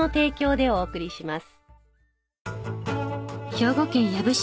兵庫県養父市。